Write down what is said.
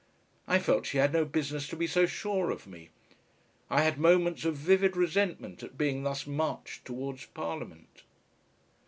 I felt she had no business to be so sure of me. I had moments of vivid resentment at being thus marched towards Parliament.